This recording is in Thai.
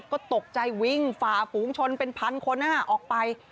ก็ตกใจวิ่งฝ่าฝูงชนเป็นพันคนออกไป